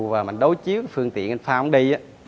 và mình đối chiếu phương tiện anh phong đi